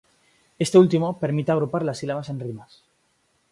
Este último permite agrupar las sílabas en rimas.